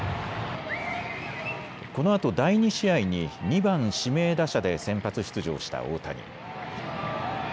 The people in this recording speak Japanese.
このあと第２試合に２番・指名打者で先発出場した大谷。